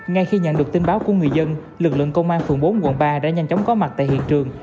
ngay khi nhận được tin báo của người dân lực lượng công an phường bốn quận ba đã nhanh chóng có mặt tại hiện trường